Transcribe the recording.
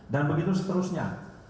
dan begitu seterusnya